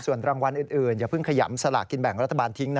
ส่วนรางวัลอื่นอย่าเพิ่งขยำสลากินแบ่งรัฐบาลทิ้งนะ